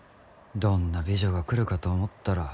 どんな美女が来るかと思ったら。